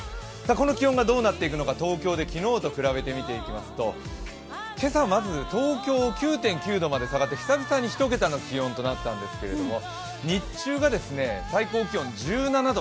この気温がどうなっていくのか、東京で昨日と比べて見てみますと今朝まず東京９．９度まで下がって久々に１桁の気温となったんですけど、日中が最高気温が１７度。